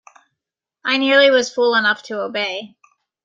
I nearly was fool enough to obey.